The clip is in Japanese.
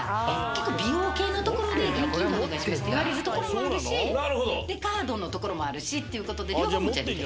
結構美容系のところで「現金でお願いします」って言われるところもあるしカードのところもあるしってことで両方持ち歩いて。